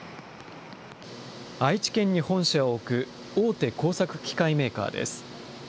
愛知県に本社を置く大手工作機械メーカーです。